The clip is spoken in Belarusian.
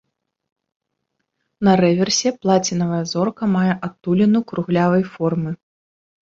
На рэверсе плацінавая зорка мае адтуліну круглявай формы.